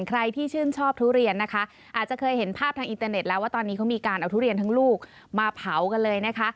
ใครที่ชื่นชอบทุเรียนนะคะอาจจะเคยเห็นภาพทางอินเตอร์เน็ตแล้วว่าตอนนี้เขามีการเอาทุเรียนทั้งลูกมาเผากันเลยนะคะ